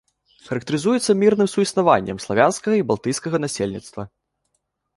Характарызуецца мірным суіснаваннем славянскага і балтыйскага насельніцтва.